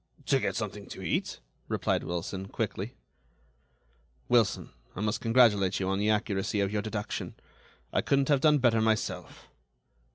"To get something to eat," replied Wilson, quickly. "Wilson, I must congratulate you on the accuracy of your deduction. I couldn't have done better myself."